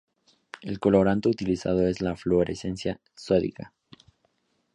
El colorante utilizado es la fluoresceína sódica.